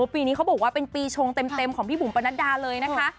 ปีนี้เขาบอกว่าเป็นปีชงเต็มของพี่บุ๋มปนัดดาเลยนะคะ